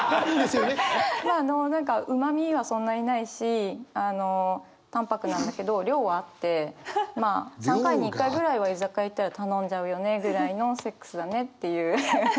まああの何かうまみはそんなにないし淡泊なんだけど量はあってまあ３回に１回ぐらいは居酒屋行ったら頼んじゃうよねぐらいのセックスだねっていう。